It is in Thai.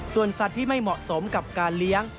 ส่วนสัตว์ที่ไม่เหมาะสมกับการเลี้ยง